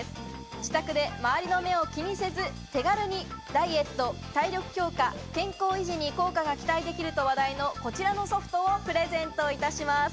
自宅で周りの目を気にせず手軽にダイエット、体力強化、健康維持に効果が期待できると話題のこちらのソフトをプレゼントいたします。